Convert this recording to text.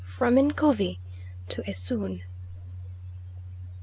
FROM NCOVI TO ESOON.